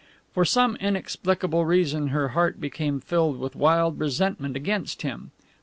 For some inexplicable reason her heart became filled with wild resentment against him.